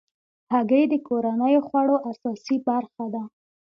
هګۍ د کورنیو خوړو اساسي برخه ده.